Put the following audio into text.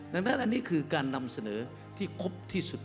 ดังนั้นอันนี้คือการนำเสนอที่ครบที่สุด